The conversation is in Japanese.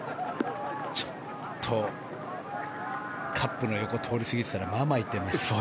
ちょっとカップの横通り過ぎていたらまあまあ行ってましたね。